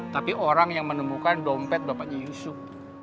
tapi orang yang menemukan dompet bapaknya yusuf